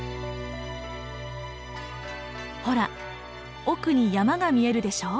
ほら奥に山が見えるでしょ。